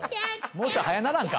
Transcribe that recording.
もうちょい速ならんか？